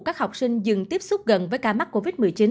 các học sinh dừng tiếp xúc gần với ca mắc covid một mươi chín